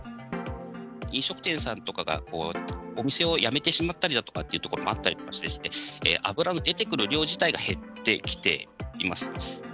飲食店さんとかがお店をやめてしまったりだとかっていうところもあったりして、油の出てくる量自体が減ってきています。